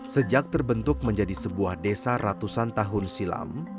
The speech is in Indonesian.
sejak terbentuk menjadi sebuah desa ratusan tahun silam